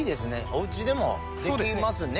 お家でもできますね